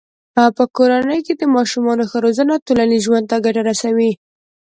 په کورنۍ کې د ماشومانو ښه روزنه ټولنیز ژوند ته ګټه رسوي.